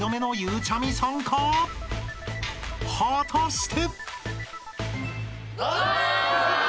［果たして］